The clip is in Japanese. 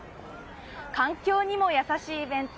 環境にも優しいイベント